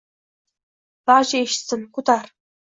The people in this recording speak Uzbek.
Barcha eshitsin – ko‘tar!